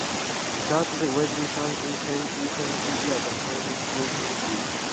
He reached Whitney's summit in seventy seven hours and forty six minutes.